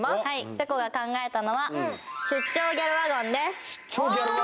ぺこが考えたのは出張ぎゃるワゴンです